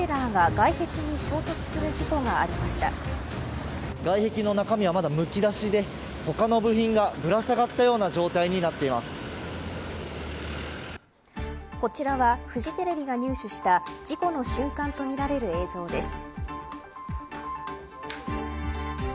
外壁の中身は、まだむき出しで他の部品がぶら下がったようなこちらはフジテレビが入手した事故の瞬間とみられる映像です。